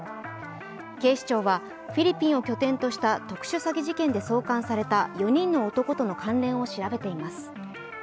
警視庁はフィリピンを拠点とした特殊詐欺事件で送還された４人の男との関連を調べています。